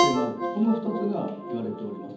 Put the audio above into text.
この２つがいわれております。